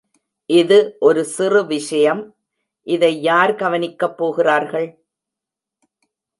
இது ஒரு சிறு விஷயம், இதை யார் கவனிக்கப் போகிறார்கள்?